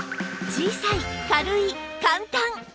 小さい軽い簡単